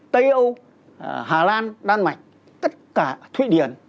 tây âu hà lan đan mạch tất cả thụy điển